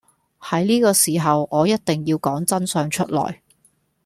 喺呢個時候我一定要講真相出來